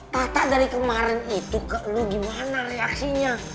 tata dari kemaren itu kak lo gimana reaksinya